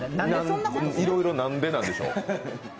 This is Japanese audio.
いろいろ、なんでなんでしょう？